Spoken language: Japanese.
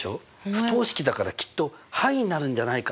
不等式だからきっと範囲になるんじゃないかなって。